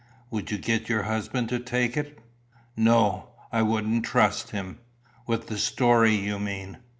Would you get your husband to take it?" "No; I wouldn't trust him." "With the story, you mean?